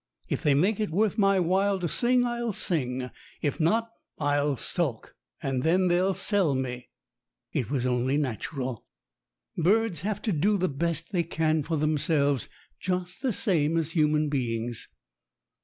If they make it worth my while to sing I'll sing. If not, I'll sulk, and then they'll sell me." It was only natural. Birds 90 STORIES WITHOUT TEARS have to do the best they can for themselves, just the same as human beings.